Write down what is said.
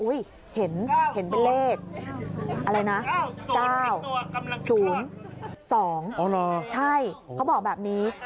เห็นเป็นเลขอะไรนะ๙๐๒ใช่เขาบอกแบบนี้